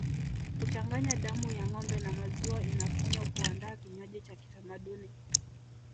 Kuchanganya damu ya ngombe na maziwa inafanywa kuandaa kinywaji cha kitamaduni